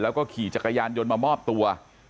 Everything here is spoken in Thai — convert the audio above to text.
แล้วก็ขี่จักรยานยนต์มามอบตัว